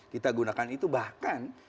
kita gunakan itu bahkan